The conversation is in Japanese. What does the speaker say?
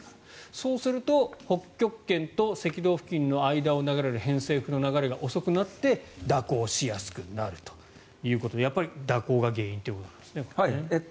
そうすると北極圏と赤道付近の間を流れる偏西風の流れが遅くなって蛇行しやすくなるということでやっぱり蛇行が原因ということなんですね。